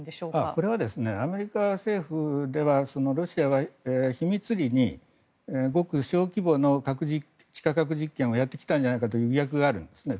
これはアメリカ政府ではロシアは秘密裏にごく小規模の地下核実験をやってきたんじゃないかという疑惑があるんですね。